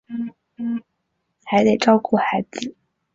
还得照顾孩子